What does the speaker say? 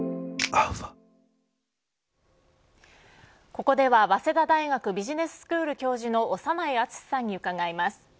ここでは早稲田大学ビジネススクール教授の長内厚さんに伺います。